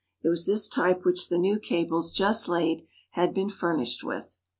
It was this type which the new cables just laid had been furnished with.